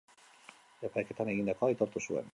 Epaiketan egindakoa aitortu zuen.